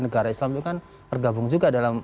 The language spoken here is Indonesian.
negara islam itu kan tergabung juga dalam